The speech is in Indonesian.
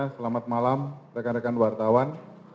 selamat malam rekan rekan wartawan